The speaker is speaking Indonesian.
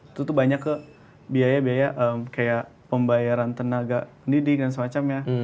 itu tuh banyak ke biaya biaya kayak pembayaran tenaga pendidik dan semacam ya